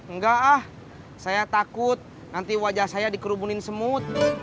enggak ah saya takut nanti wajah saya dikerubunin semut